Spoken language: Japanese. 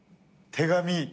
手紙？